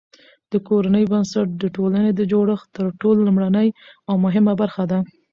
د کورنۍ بنسټ د ټولني د جوړښت تر ټولو لومړۍ او مهمه برخه ده.